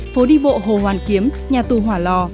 phố đi bộ hồ hoàn kiếm nhà tù hỏa lò